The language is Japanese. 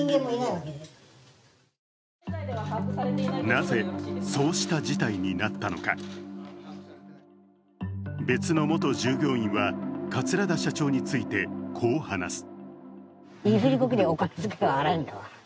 なぜ、そうした事態になったのか別の元従業員は、桂田社長についてこう話す。